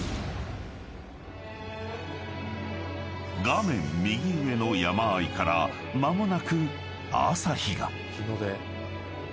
［画面右上の山あいから間もなく朝日が］